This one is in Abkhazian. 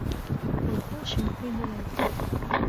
Лхы лшьамхы инылалҵеит.